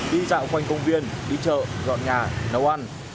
đi dạo quanh công viên đi chợ dọn nhà nấu ăn